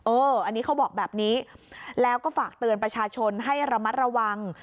อันนี้เขาบอกแบบนี้แล้วก็ฝากเตือนประชาชนให้ระมัดระวัง